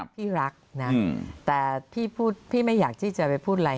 พี่รักนะแต่พี่ไม่อยากที่จะไปพูดอะไร